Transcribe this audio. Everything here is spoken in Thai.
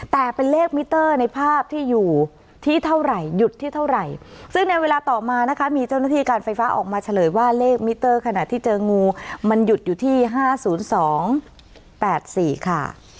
แต่เป็นเลขมิเตอร์ในภาพที่อยู่ที่เท่าไหร่หยุดที่เท่าไหร่ซึ่งในเวลาต่อมานะคะมีเจ้าหน้าที่การไฟฟ้าออกมาเฉลยว่าเลขมิเตอร์ขณะที่เจองูมันหยุดอยู่ที่๕๐๒๘๔ค่ะ